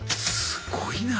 すごいな。